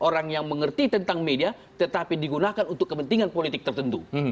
orang yang mengerti tentang media tetapi digunakan untuk kepentingan politik tertentu